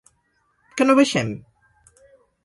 Que no baixem?